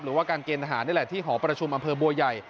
หรือว่าการเกณฑ์ทหารนี่แหละที่หอประชุมอำเภอบัวใหญ่